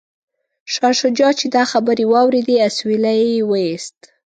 شاه شجاع چې دا خبرې واوریدې اسویلی یې وکیښ.